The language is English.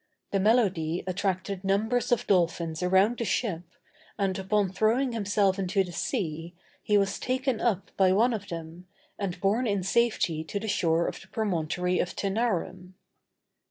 The melody attracted numbers of dolphins around the ship, and, upon throwing himself into the sea, he was taken up by one of them, and borne in safety to the shore of the Promontory of Tænarum.